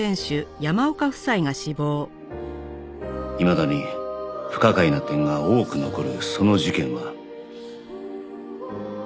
未だに不可解な点が多く残るその事件は